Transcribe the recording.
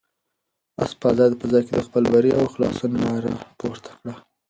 آس په آزاده فضا کې د خپل بري او خلاصون ناره پورته کړه.